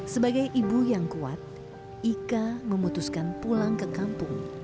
sebagai ibu yang kuat ika memutuskan pulang ke kampung